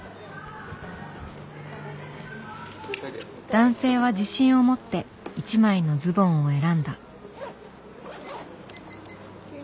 男性は自信を持って一枚のズボンを選んだ。